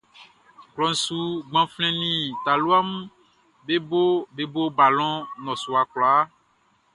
Klɔʼn su gbanflɛn nin talua mun be bo balɔn nnɔsua kwlaa.